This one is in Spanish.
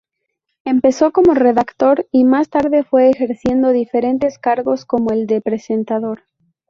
Empezó como redactor, y más tarde fue ejerciendo diferentes cargos, como el de presentador.